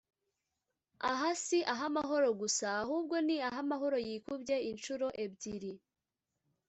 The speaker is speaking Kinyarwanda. Aha si ah'amahoro gusa, ahubwo ni ah'amahoro yikubye inshuro ebyiri!